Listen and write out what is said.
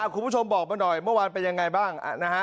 คุณผู้ชมบอกมาหน่อยเมื่อวานเป็นยังไงบ้างนะฮะ